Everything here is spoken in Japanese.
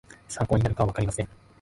参考になるかはわかりません